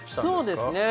そうですね